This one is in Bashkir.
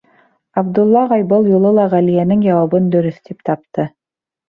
Абдулла ағай был юлы ла Ғәлиәнең яуабын дөрөҫ тип тапты.